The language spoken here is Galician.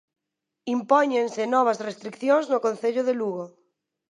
Impóñense novas restricións no concello de Lugo.